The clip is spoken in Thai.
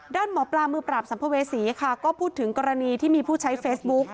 หมอปลามือปราบสัมภเวษีค่ะก็พูดถึงกรณีที่มีผู้ใช้เฟซบุ๊ก